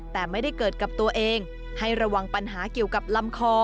แต่ไม่ได้เกิดกับตัวเองให้ระวังปัญหาเกี่ยวกับลำคอ